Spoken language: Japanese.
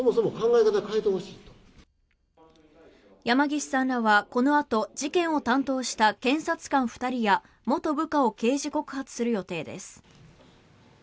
山岸さんらはこのあと事件を担当した検察官２人や元部下を刑事告発する予定です。